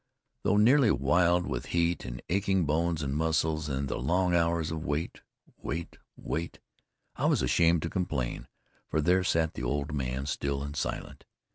Though nearly wild with heat and aching bones and muscles and the long hours of wait wait wait, I was ashamed to complain, for there sat the old man, still and silent.